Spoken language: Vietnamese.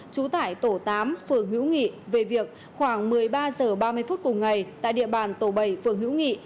trú tại tổ tám phường hiếu nghị về việc khoảng một mươi ba h ba mươi phút cùng ngày tại địa bàn tổ bầy phường hiếu nghị